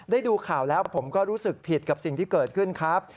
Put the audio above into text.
ดูข่าวแล้วผมก็รู้สึกผิดกับสิ่งที่เกิดขึ้นครับ